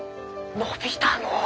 伸びたのう！